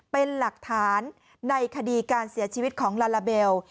เป็นหลักฐานในคดีการเสียชีวิตของลาลาเบล